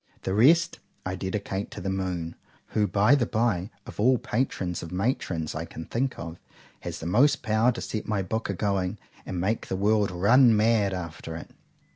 —The rest I dedicate to the Moon, who, by the bye, of all the PATRONS or MATRONS I can think of, has most power to set my book a going, and make the world run mad after it.